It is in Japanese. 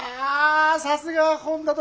さすがは本多殿。